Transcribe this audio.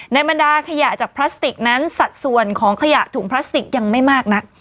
บรรดาขยะจากพลาสติกนั้นสัดส่วนของขยะถุงพลาสติกยังไม่มากนัก